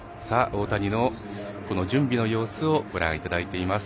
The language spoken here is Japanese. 大谷の準備の様子をご覧いただいております。